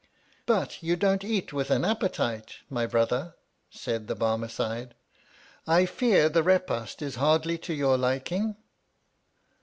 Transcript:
But, you don't eat with an appetite, my brother, said the Barmecide. I fear the repast is hardly to your liking